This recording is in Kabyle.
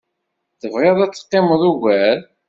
Tebɣiḍ ad teqqimeḍ ugar?